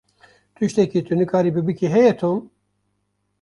Tiştekî tu nikaribî bikî, heye Tom?